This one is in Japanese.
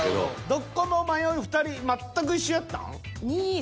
どこも迷う２人全く一緒やったん？